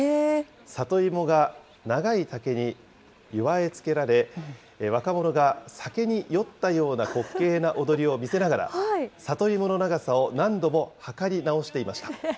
里芋が長い竹に結わえつけられ、若者が酒に酔ったような滑稽な踊りを見せながら、里芋の長さを何度も測り直していました。